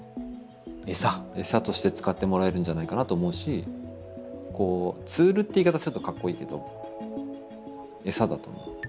餌として使ってもらえるんじゃないかなと思うしツールっていう言い方するとかっこいいけど餌だと思う。